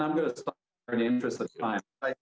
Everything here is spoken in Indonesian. dan sebagainya saya akan menunjukkan beberapa hal yang menarik